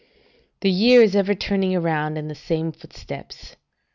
["The year is ever turning around in the same footsteps."